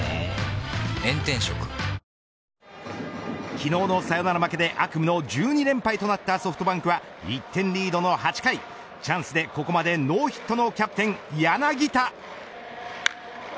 昨日のサヨナラ負けで悪夢の１２連敗となったソフトバンクは１点リードの８回チャンスでここまでノーヒットのキャプテン柳田。